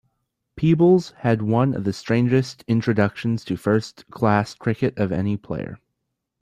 Peebles had one of the strangest introductions to first-class cricket of any player.